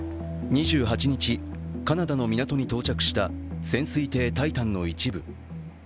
２８日、カナダの港に到着した潜水艇「タイタン」の一部。